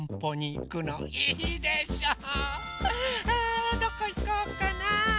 あどこいこうかな？